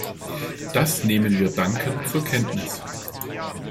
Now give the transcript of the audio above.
Das nehmen wir dankend zur Kenntnis.